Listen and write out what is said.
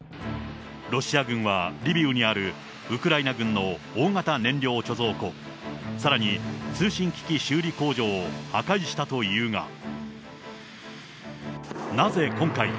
ロシア軍は、リビウにあるウクライナ軍の大型燃料貯蔵庫、さらに通信機器修理工場を破壊したというが。